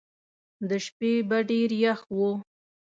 د شپې به ډېر یخ وو.